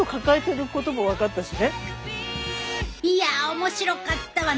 いや面白かったわ。